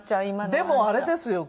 でもあれですよ